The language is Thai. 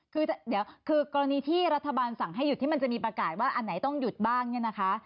คือเดี๋ยวคือกรณีที่รัฐบาลสั่งให้หยุดที่มันจะมีประกาศว่าอันไหนต้องหยุดบ้างเนี่ยนะคะ